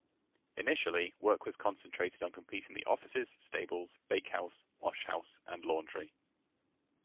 Initially work was concentrated on completing the offices, stables, bakehouse, wash-house and laundry.